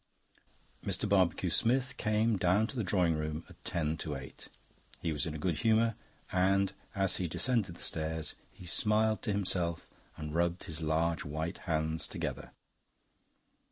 Mr. Barbecue Smith came down to the drawing room at ten to eight. He was in a good humour, and, as he descended the stairs, he smiled to himself and rubbed his large white hands together.